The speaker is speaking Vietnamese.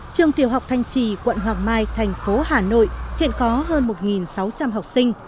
trường tiểu học thanh trì quận hoàng mai thành phố hà nội hiện có hơn một sáu trăm linh học sinh